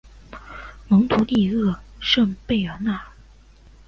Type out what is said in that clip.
蒙图利厄圣贝尔纳尔。